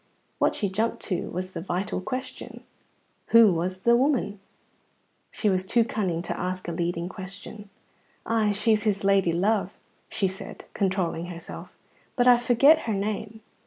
What she jumped to was the vital question, Who was the woman? But she was too cunning to ask a leading question. "Ay, she's his lady love," she said, controlling herself, "but I forget her name.